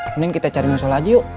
mending kita cari musola yuk